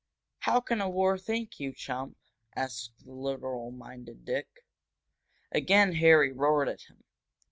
"How can a war think, you chump?" asked the literal minded Dick. Again Harry roared at him.